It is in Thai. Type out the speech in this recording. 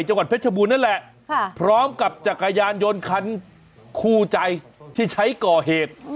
จังหวัดเพชรบูรณนั่นแหละพร้อมกับจักรยานยนต์คันคู่ใจที่ใช้ก่อเหตุ